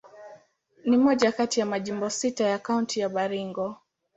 Ni moja kati ya majimbo sita ya Kaunti ya Baringo.